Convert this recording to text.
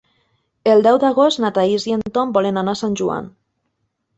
El deu d'agost na Thaís i en Tom volen anar a Sant Joan.